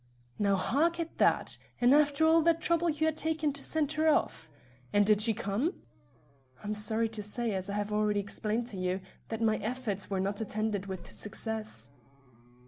"Now, hark at that! And after all the trouble you had taken to send her off. And did she come?" "I am sorry to say, as I have already explained to you, that my efforts were not attended with success."